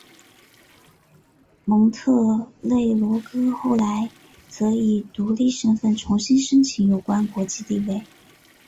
蒙特内哥罗后来则以独立身份重新申请有关国际地位。